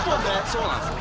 そうなんですよ。